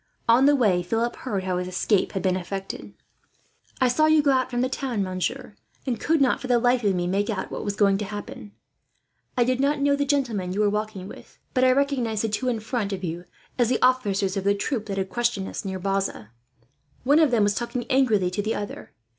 On the way, Philip heard how his escape had been effected. "I saw you go out from the town, monsieur; and could not, for the life of me, make out what was going to happen. I did not know the gentleman you were walking with, but I recognized the two in front of you as the officers of the troop that had questioned us, near Bazas. One of them was talking angrily to the other.